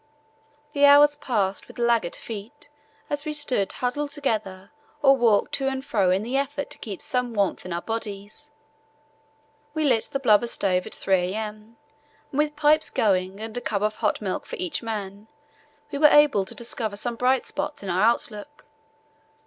The hours passed with laggard feet as we stood huddled together or walked to and fro in the effort to keep some warmth in our bodies. We lit the blubber stove at 3 a.m., and with pipes going and a cup of hot milk for each man, we were able to discover some bright spots in our outlook.